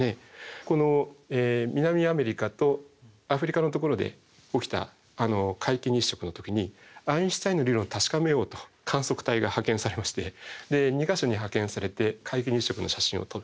この南アメリカとアフリカのところで起きた皆既日食の時にアインシュタインの理論を確かめようと観測隊が派遣されましてで２か所に派遣されて皆既日食の写真を撮る。